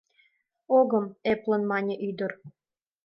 — Огым, — эплын мане ӱдыр.